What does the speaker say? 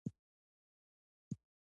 آیا په چرچیل کې خرسونه نه لیدل کیږي؟